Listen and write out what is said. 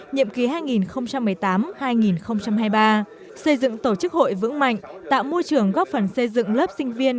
nhiệm kỳ hai nghìn một mươi tám hai nghìn hai mươi ba xây dựng tổ chức hội vững mạnh tạo môi trường góp phần xây dựng lớp sinh viên